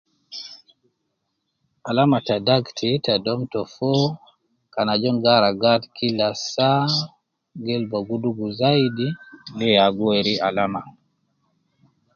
Alama ta dagt ta dom ta foo, kan ajol gi haragan kila saa, gelba gi dugu zaidi, de ya gi weri alama